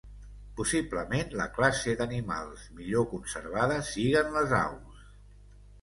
Possiblement, la classe d'animals millor conservada siguen les aus.